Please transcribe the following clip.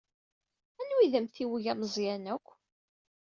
Anwa ay d amtiweg ameẓyan akk?